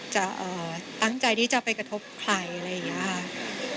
จะตั้งใจที่จะไปกระทบใครอะไรอย่างนี้ค่ะ